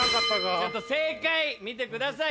ちょっと正解見てください。